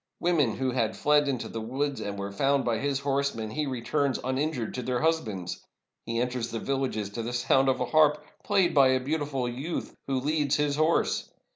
Women who had fled into the woods, and were foimd by his horsemen, he returns uninjured to their husbands. He enters the villages to the sound of a harp, played by a beautiful youth, who leads his horse.